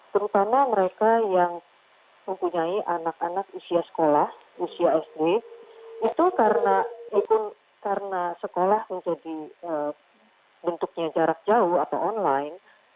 terutama mereka yang mempunyai anak anak usia sekolah usia sd itu karena sekolah menjadi bentuknya jarak jauh atau online